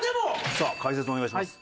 解説お願いします。